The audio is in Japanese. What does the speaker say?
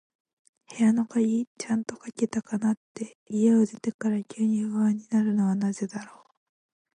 部屋の鍵、ちゃんとかけたかなって、家を出てから急に不安になるのはなぜだろう。